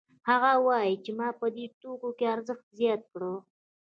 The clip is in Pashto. هغه وايي چې ما په دې توکو ارزښت زیات کړ